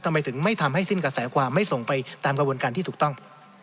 ทำไมถึงไม่ทำให้สิ้นกระแสความไม่ส่งไปตามกระบวนการที่ถูกต้อง